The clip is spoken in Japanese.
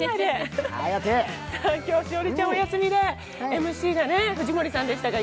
今日栞里ちゃんお休みでＭＣが藤森さんでしたが？